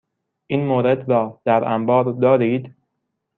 این مورد را در انبار دارید؟